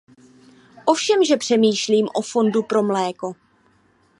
Ovšemže přemýšlím o fondu pro mléko.